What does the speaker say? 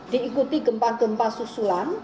diikuti gempa gempa susulan